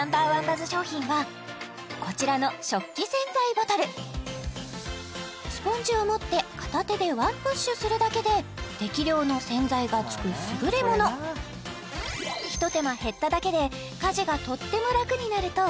バズ商品はこちらの食器洗剤ボトルスポンジを持って片手でワンプッシュするだけで適量の洗剤がつく優れものひと手間減っただけで家事がとっても楽になる！